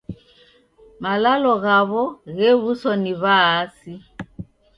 Malalo ghaw'o ghew'uswa ni W'aasi.